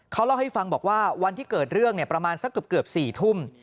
เขาเล่าให้ฟังบอกว่าวันที่เกิดเรื่องประมาณสักเกือบ๔ทุ่ม